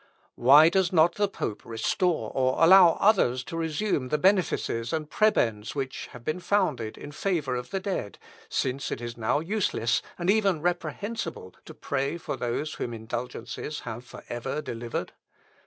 Why does not the pope restore or allow others to resume the benefices and prebends which have been founded in favour of the dead, since it is now useless, and even reprehensible, to pray for those whom indulgences have for ever delivered?"